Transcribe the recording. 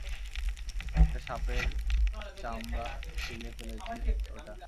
একটা সাপের চামড়া ছিলে ফেলেছে ওটা।